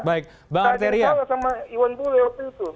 saya sama iwan bule waktu itu